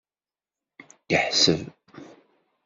Yeḥseb.